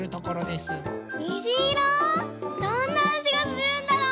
どんなあじがするんだろう？